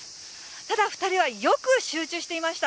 ただ２人はよく集中していました。